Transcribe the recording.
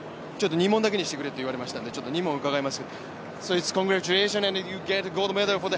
２問だけにしてくれと言われたので２問伺います。